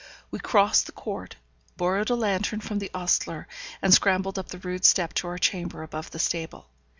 We crossed the court, borrowed a lantern from the ostler, and scrambled up the rude step to our chamber above the stable.